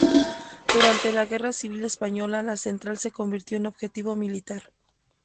Durante la Guerra Civil Española la central se convirtió en objetivo militar.